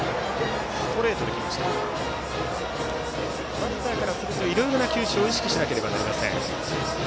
バッターからするといろいろな球種を意識しなくてはなりません。